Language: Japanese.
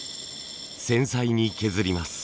繊細に削ります。